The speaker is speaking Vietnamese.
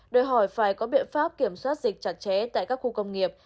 đòi hỏi phải có biện pháp kiểm soát dịch chặt chẽ tại các khu công nghiệp